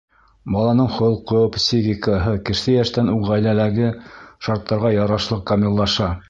Баланың холҡо, психикаһы кесе йәштән үк ғаиләләге шарттарға ярашлы камиллаша.